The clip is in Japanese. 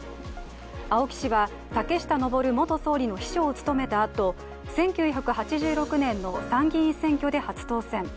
青木氏は、竹下登元総理の秘書を務めたあと１９８６年の参議院選挙で初当選。